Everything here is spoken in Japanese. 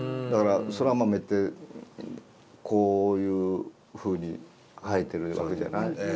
そら豆ってこういうふうに生えてるわけじゃない？